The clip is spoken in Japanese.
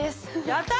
やった！